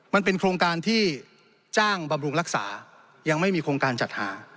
มันเป็นโครงการที่จ้างบำรุงรักษายังไม่มีโครงการจัดหา